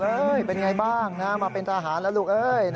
เฮ่ยเป็นอย่างไรบ้างมาเป็นทหารแล้วลูก